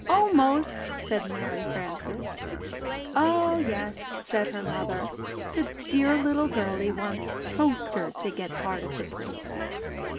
"Almost!" said Mary Frances. "Oh, yes," said her mother, "the dear little girlie wants Toaster to get part of the praise."